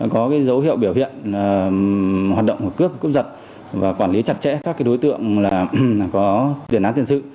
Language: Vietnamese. có dấu hiệu biểu hiện hoạt động của cướp cướp giật và quản lý chặt chẽ các đối tượng có tiền án tiền sự